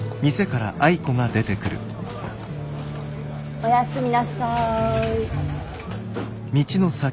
おやすみなさい。